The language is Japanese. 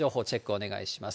お願いします。